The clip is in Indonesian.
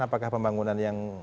apakah pembangunan yang